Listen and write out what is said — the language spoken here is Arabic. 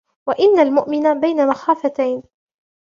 وَإِنَّ الْمُؤْمِنَ بَيْنَ مَخَافَتَيْنِ